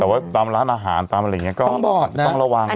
แต่ว่าตามร้านอาหารตามอะไรอย่างนี้ก็ต้องระวัง